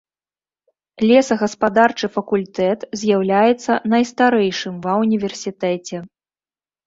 Лесагаспадарчы факультэт з'яўляецца найстарэйшым ва ўніверсітэце.